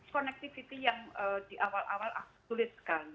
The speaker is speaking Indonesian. connectivity yang di awal awal sulit sekali